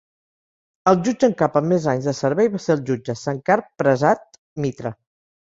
El jutge en cap amb més anys de servei va ser el jutge Sankar Prasad Mitra.